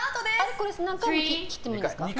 何回切ってもいいんですか。